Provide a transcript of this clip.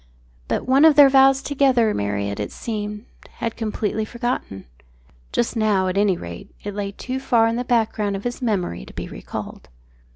But one of their vows together Marriott, it seemed, had completely forgotten. Just now, at any rate, it lay too far in the background of his memory to be recalled.